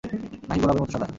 নাকি গোলাপের মতো সাদা?